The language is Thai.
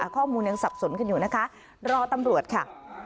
ข้อมูลยังสับสนกันอยู่นะคะรอตำรวจค่ะ